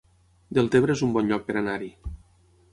Deltebre es un bon lloc per anar-hi